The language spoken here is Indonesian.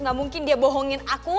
gak mungkin dia bohongin aku